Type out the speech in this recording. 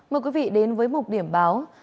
mời quý vị đến với một điểm báo